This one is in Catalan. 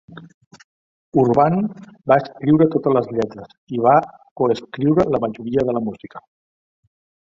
Urban va escriure totes les lletres i va coescriure la majoria de la música.